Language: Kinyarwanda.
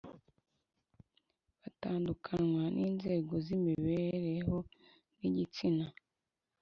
batandukanywa n’inzego z’imibereho n’igitsina